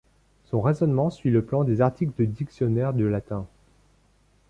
Son raisonnement suit le plan des articles de dictionnaire de latin.